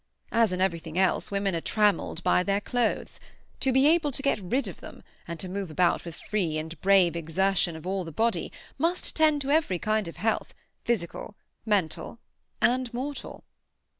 As in everything else, women are trammelled by their clothes; to be able to get rid of them, and to move about with free and brave exertion of all the body, must tend to every kind of health, physical, mental, and mortal."